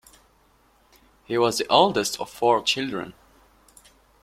He was the oldest of four children.